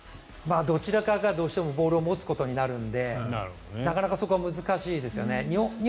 どちらかがボールを持つことになるんでなかなかそこは難しいですよね。